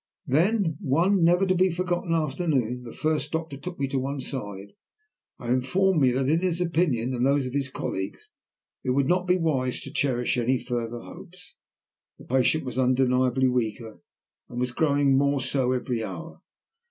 Then on one never to be forgotten afternoon the first doctor took me on one side and informed me that in his opinion, and those of his colleagues, it would not be wise to cherish any further hopes. The patient was undeniably weaker, and was growing more so every hour.